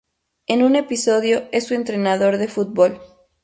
En un episodio es su entrenador de fútbol.